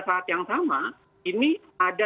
saat yang sama ini ada